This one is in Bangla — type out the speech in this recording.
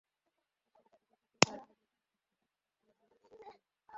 কাস্টম কর্তৃপক্ষের চাপিয়ে দেওয়া আইনের কারণে ব্যবসায়ীরা পাথর আমদানি করতে পারছেন না।